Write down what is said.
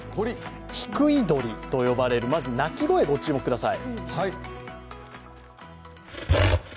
ヒクイドリと呼ばれる、まず鳴き声ご注目ください。